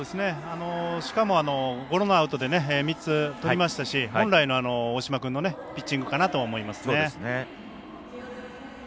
しかもゴロのアウトで３つとりましたし本来の大嶋君のピッチングかなと思いますね。